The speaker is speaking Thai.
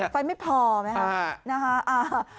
ไฟไม่พอไหมครับ